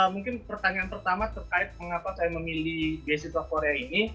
mungkin pertanyaan pertama terkait mengapa saya memilih beasiswa korea ini